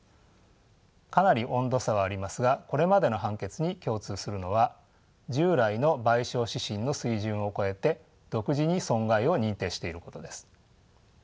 かなり温度差はありますがこれまでの判決に共通するのは従来の賠償指針の水準を超えて独自に損害を認定していることです。